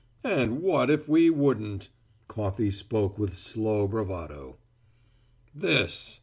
"And what if we wouldn't!" Coffey spoke with slow bravado. "This."